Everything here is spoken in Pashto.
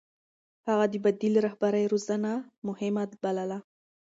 هغه د بديل رهبرۍ روزنه مهمه بلله.